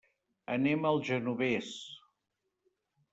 Anem al Genovés.